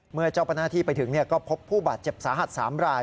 เมื่อเจ้าหน้าที่ไปถึงก็พบผู้บาดเจ็บสาหัส๓ราย